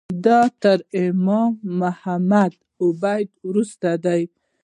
دا تر امام محمد عبده وروسته ده.